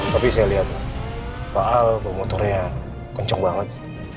tapi saya lihat pak al pak motorya kenceng banget